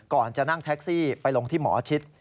ก่อนจะนั่งแท็กซี่ไปลงที่หมอชิด